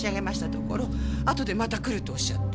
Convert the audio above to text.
ところあとでまた来るとおっしゃって。